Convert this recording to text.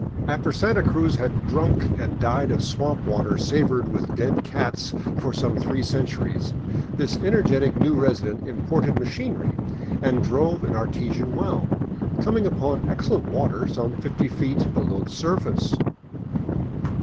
After Santa Cruz had drunk and died of swamp water savored with dead cats for some three centuries, this energetic new resident imported machinery and drove an artesian well, coming upon excellent water some fifty feet below the surface.